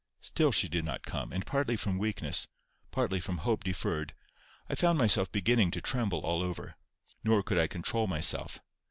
Still she did not come, and partly from weakness, partly from hope deferred, I found myself beginning to tremble all over. Nor could I control myself.